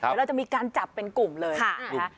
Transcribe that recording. เดี๋ยวเราจะมีการจับเป็นกลุ่มเลยนะคะ